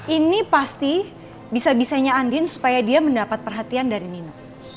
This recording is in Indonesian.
ini pasti bisa bisanya andin supaya dia mendapat perhatian dari nino